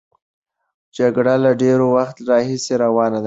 جګړه له ډېر وخت راهیسې روانه ده.